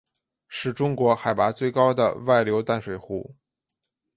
是中国海拔最高的外流淡水湖。